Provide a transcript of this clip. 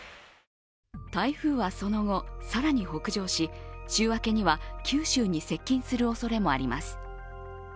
台風はその後、更に北上し、週明けには九州に接近するおそれもあります。